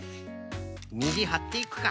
にじはっていくか。